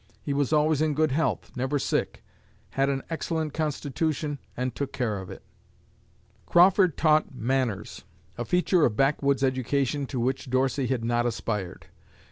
He was always in good health, never sick, had an excellent constitution and took care of it." Crawford taught "manners" a feature of backwoods education to which Dorsey had not aspired.